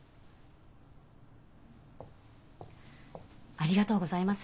ありがとうございます。